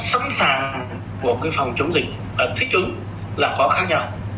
sẵn sàng của phòng chống dịch thích ứng là có khác nhau